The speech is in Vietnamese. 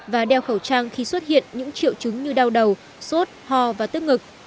và đeo khẩu trang khi xuất hiện những triệu chứng như đau đầu sốt ho và tức ngực